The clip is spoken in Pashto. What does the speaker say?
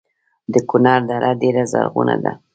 د کونړ دره ډیره زرغونه ده